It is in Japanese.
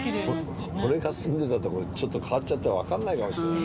俺が住んでた所ちょっと変わっちゃってわかんないかもしれない。